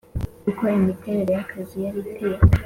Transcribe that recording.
Uko imiterere y’akazi yari iteye